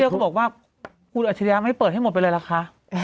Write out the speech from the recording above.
คุณบอกว่าอุปสรรค์อาชิริยะไม่ได้เปิดให้หมดไปเลยแหละค่ะ